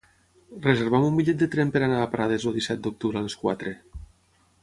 Reserva'm un bitllet de tren per anar a Prades el disset d'octubre a les quatre.